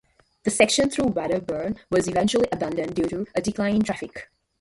The section through Wedderburn was eventually abandoned due to a decline in traffic.